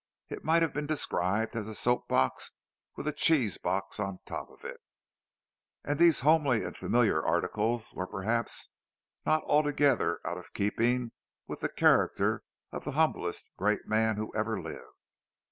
It might have been described as a soap box with a cheese box on top of it; and these homely and familiar articles were perhaps not altogether out of keeping with the character of the humblest great man who ever lived.